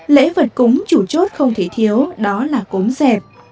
lễ vật cúng chủ chốt không thể thiếu đó là cúng dẹp